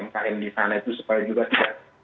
umkm di sana itu supaya juga tidak